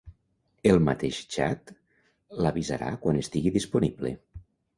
El mateix xat l'avisarà quan estigui disponible.